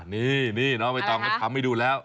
นี่น้องไม่ต้องไม่ต้องให้ดูแล้ว